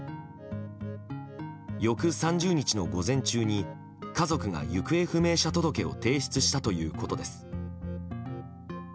翌３０日の午前中に家族が行方不明者届を提出したということです。